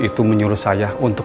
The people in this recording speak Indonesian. itu menyuruh saya untuk